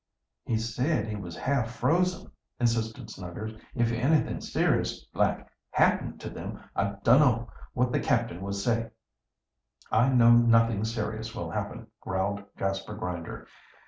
"He said he was half frozen," insisted Snuggers. "If anything serious like happened to them, I dunno what the captain would say." "I know nothing serious will happen," growled Jasper Grinder.